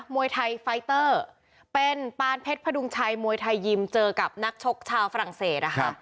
มวยไทยไฟเตอร์เป็นปานเพชรพดุงชัยมวยไทยยิมเจอกับนักชกชาวฝรั่งเศสนะคะ